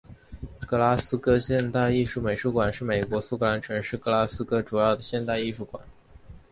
格拉斯哥现代艺术美术馆是英国苏格兰城市格拉斯哥主要的现代艺术美术馆。